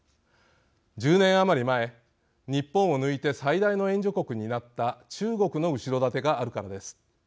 １０年余り前、日本を抜いて最大の援助国になった中国の後ろ盾があるからです。